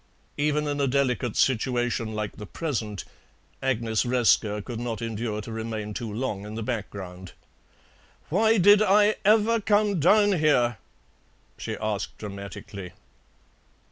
Even in a delicate situation like the present, Agnes Resker could not endure to remain too long in the background. "Why did I ever come down here?" she asked dramatically.